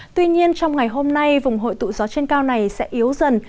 tuy nhiên trong ngày hôm nay vùng hội tụ gió trên cao này sẽ yếu dần